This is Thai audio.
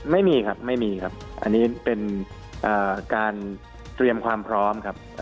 ไม่มีครับไม่มีครับอันนี้เป็นการเตรียมความพร้อมครับ